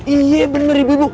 iya bener ibu ibu